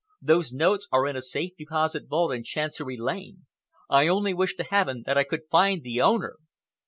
Those notes are in a safe deposit vault in Chancery Lane! I only wish to Heaven that I could find the owner!"